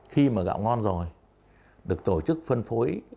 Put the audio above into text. khi mà gạo ngon rồi được tổ chức phân phối